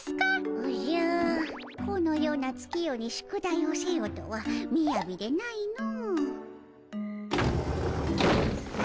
おじゃこのような月夜に宿題をせよとはみやびでないのう。